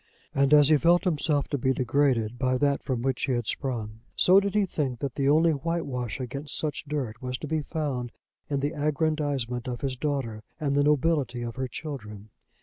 And as he felt himself to be degraded by that from which he had sprung, so did he think that the only whitewash against such dirt was to be found in the aggrandisement of his daughter and the nobility of her children.